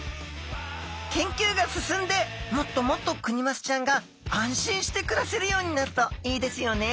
研究が進んでもっともっとクニマスちゃんが安心して暮らせるようになるといいですよね。